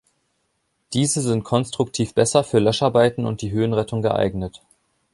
Diese sind konstruktiv besser für Löscharbeiten und die Höhenrettung geeignet.